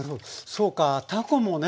そうかたこもね